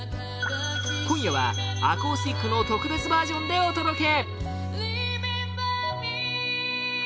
今夜は、アコースティックの特別バージョンでお届け！